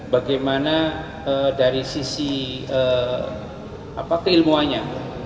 bagaimana dari sisi keilmuannya